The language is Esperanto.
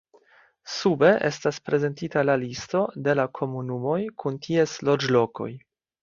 Sube estas prezentita la listo de la komunumoj kun ties loĝlokoj.